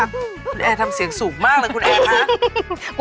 คุณแอทัมเสียงสูงมากเลยคุณแอค่ะ